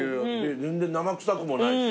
全然生臭くもないし。